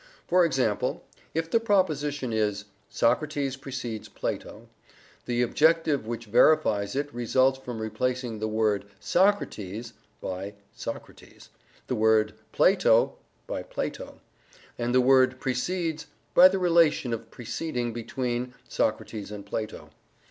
For example, if the proposition is "Socrates precedes Plato," the objective which verifies it results from replacing the word "Socrates" by Socrates, the word "Plato" by Plato, and the word "precedes" by the relation of preceding between Socrates and Plato.